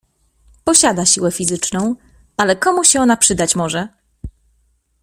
"Posiada siłę fizyczną, ale komu się ona przydać może!"